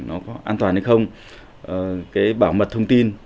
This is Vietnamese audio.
nó có an toàn hay không cái bảo mật thông tin